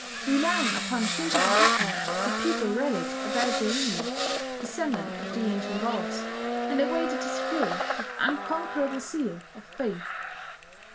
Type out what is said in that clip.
Relying upon Shinto tradition, the people rallied about their ruler, descendant of the ancient gods, and awaited his will with unconquerable zeal of faith.